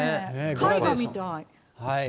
絵画みたい。